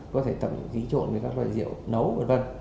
có thể tẩm dí trộn với các loại rượu nấu v v